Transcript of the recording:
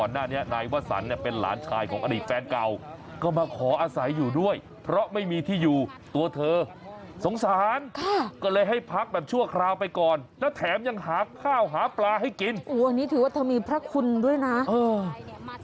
หาข้าวหาปลาให้กินโอ้วอันนี้ถือว่าเธอมีพระคุณด้วยนะโอ้ว